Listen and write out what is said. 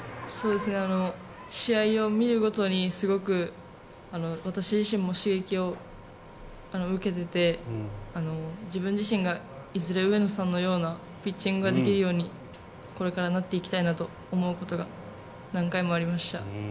試合を見るごとにすごく私自身も刺激を受けていて、自分自身がいずれ上野さんのようなピッチングができるようにこれからなっていきたいなと思うことが何回もありました。